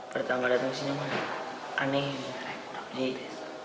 pertama datang ke sini aneh